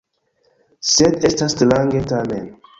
Sed estas strange, tamen.